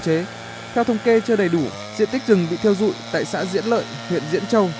theo thông kê chưa đầy đủ diện tích trừng bị theo dụi tại xã diễn lợi huyện diễn châu